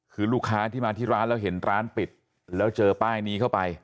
คือลูกค้าที่มาที่ร้านแล้วเห็นร้านปิดแล้วเจอป้ายนี้เข้าไป